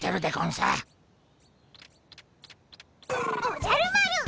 おじゃる丸！